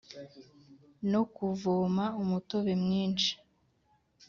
no kuvoma umutobe mwinshi